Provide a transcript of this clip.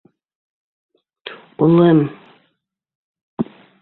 Улым...